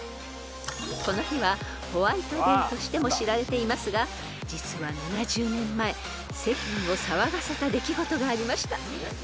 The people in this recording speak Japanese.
［この日はホワイトデーとしても知られていますが実は７０年前世間を騒がせた出来事がありました］